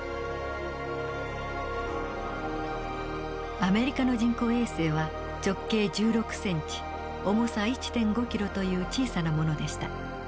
アメリカの人工衛星は直径１６センチ重さ１．５キロという小さなものでした。